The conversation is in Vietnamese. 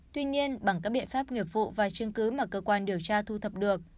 tuy nhiên bằng các biện pháp nghiệp vụ và chứng cứ mà cơ quan điều tra thu thập được